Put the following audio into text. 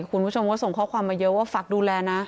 คุณผู้ชมก็ส่งข้อความมาเยอะว่าฝากดูแลนะ